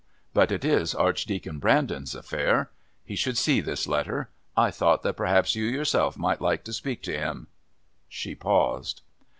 But it is Archdeacon Brandon's affair. He should see this letter. I thought that perhaps you yourself might like to speak to him " she paused.